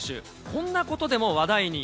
こんなことでも話題に。